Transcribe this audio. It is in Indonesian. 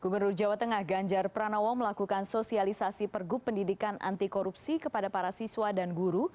gubernur jawa tengah ganjar pranowo melakukan sosialisasi pergub pendidikan anti korupsi kepada para siswa dan guru